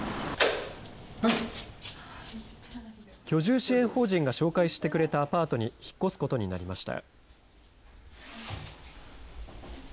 居住支援法人が紹介してくれたアパートに引っ越すことになりました。